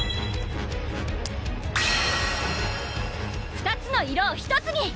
２つの色を１つに！